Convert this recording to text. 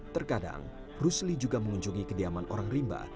terkadang rusli juga mengunjungi kediaman orang rimba